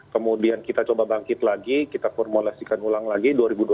kemudian kita coba bangkit lagi kita formulasikan ulang lagi